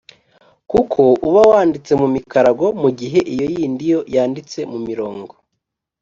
kuko uba wanditse mu mikarago mu gihe iyo yindi yo yanditse mu mirongo.